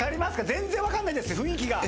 全然分かんないです雰囲気が。